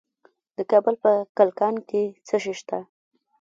د کابل په کلکان کې څه شی شته؟